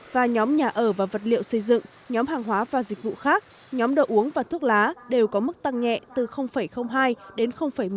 và nhóm nhà ở và vật liệu xây dựng nhóm hàng hóa và dịch vụ khác nhóm đồ uống và thuốc lá đều có mức tăng nhẹ từ hai đến một mươi tám